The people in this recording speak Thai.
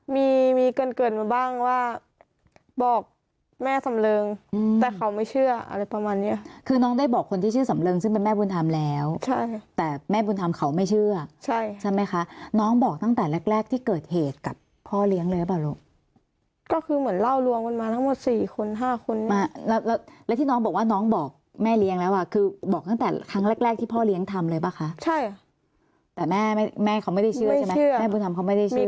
มีมีเกินเกินมาบ้างว่าบอกแม่สำเริงแต่เขาไม่เชื่ออะไรประมาณเนี้ยคือน้องได้บอกคนที่ชื่อสำเริงซึ่งเป็นแม่บุญธรรมแล้วใช่แต่แม่บุญธรรมเขาไม่เชื่อใช่ใช่ไหมคะน้องบอกตั้งแต่แรกแรกที่เกิดเหตุกับพ่อเลี้ยงเลยรึเปล่าลูกก็คือเหมือนเล่ารวงกันมาทั้งหมดสี่คนห้าคนนี้มาแล้วแล้วแล้วแล้วที่น้องบอกว่าน้อง